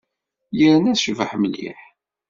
Yerna tecbeḥ mliḥ.